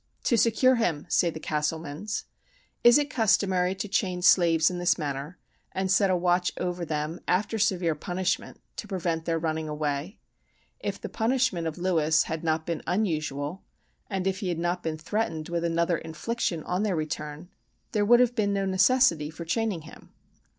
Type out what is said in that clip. "To secure him," say the Castlemans. Is it customary to chain slaves in this manner, and set a watch over them, after severe punishment, to prevent their running away? If the punishment of Lewis had not been unusual, and if he had not been threatened with another infliction on their return, there would have been no necessity for chaining him.